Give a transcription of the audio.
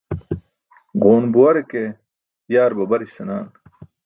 Ġoon buware ke yaar babaris senaan.